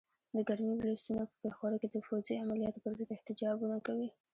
د کرمې ولسونه په پېښور کې د فوځي عملیاتو پر ضد احتجاجونه کوي.